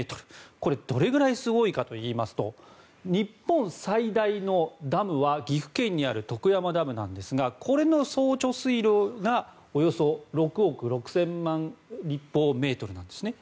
これは、どれくらいすごいかといいますと日本最大のダムは岐阜県にある徳山ダムなんですがこれの総貯水量がおよそ６億６０００万立方メートルです。